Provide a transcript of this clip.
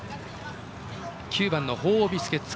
９番ホウオウビスケッツ